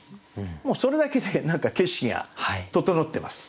もうそれだけで何か景色が整ってます。